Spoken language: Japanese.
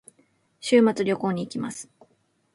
週末に旅行に行きます。